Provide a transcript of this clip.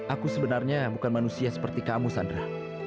aku sebenarnya bukan manusia seperti kamu sandra